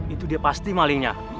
itu dia pasti malingnya